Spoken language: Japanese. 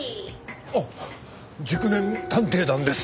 あっ熟年探偵団です。